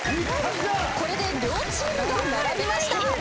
これで両チームが並びました。